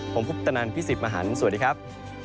ผมพุทธนันทร์พี่สิบมหันทร์สวัสดีครับ